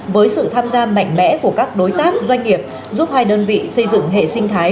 với sự tham gia mạnh mẽ của các đối tác doanh nghiệp giúp hai đơn vị xây dựng hệ sinh thái